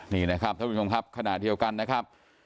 นี่นะครับทุกคนค่ะขณะเดียวกันนะครับ